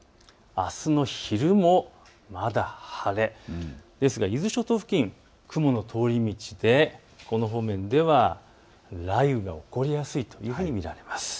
あすの昼もまだ晴れ、ですが伊豆諸島付近、雲の通り道でこの方面では雷雨が起こりやすいというふうに見られます。